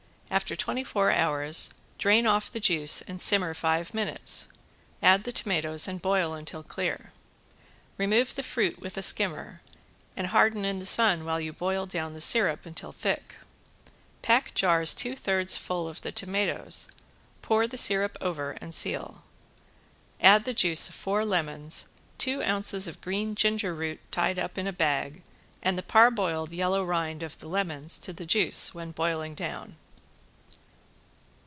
After twenty four hours drain off the juice and simmer five minutes, add the tomatoes and boil until clear. Remove the fruit with a skimmer and harden in the sun while you boil down the syrup until thick; pack jars two thirds full of the tomatoes, pour the syrup over and seal. Add the juice of four lemons, two ounces of green ginger root tied up in a bag and the parboiled yellow rind of the lemons to the juice when boiling down.